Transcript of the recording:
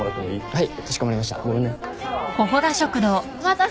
はい。